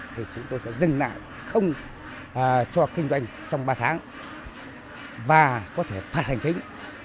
thì chúng tôi sẽ dừng lại không cho kinh doanh trong ba tháng và có thể phạt hành chính